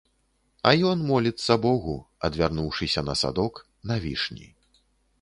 А ён моліцца богу, адвярнуўшыся на садок, на вішні.